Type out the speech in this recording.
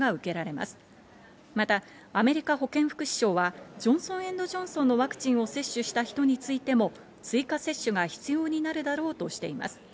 またアメリカ保健福祉省は、ジョンソン・エンド・ジョンソンのワクチンを接種した人についても、追加接種が必要になるだろうとしています。